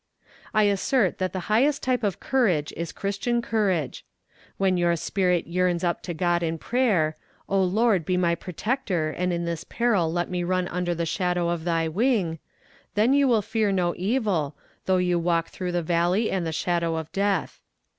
"I assert that the highest type of courage is christian courage. When your spirit yearns up to God in prayer, 'Oh, Lord, be my protector, and in this peril let me run under the shadow of thy wing,' then you will fear no evil, though you walk through the valley and the shadow of death.